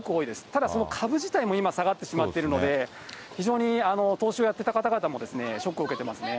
ただその株自体も今、下がってしまっているので、非常に投資をやってた方々もショックを受けていますね。